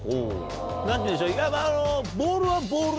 何ていうんでしょういわば。